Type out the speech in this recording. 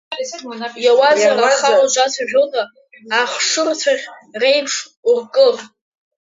Иауазар, аха узацәажәода, ашхырцәаӷь реиԥш уркыр.